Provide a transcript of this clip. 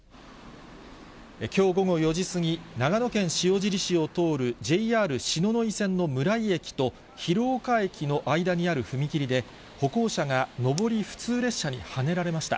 きょう午後４時過ぎ、長野県塩尻市を通るＪＲ篠ノ井線の村井駅と広丘駅の間にある踏切で、歩行者が上り普通列車にはねられました。